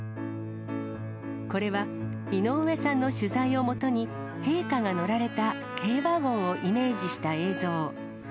これは、井上さんの取材を基に、陛下が乗られた軽ワゴンをイメージした映像。